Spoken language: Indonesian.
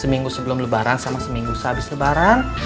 seminggu sebelum lebaran sama seminggu sehabis lebaran